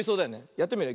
やってみるよ。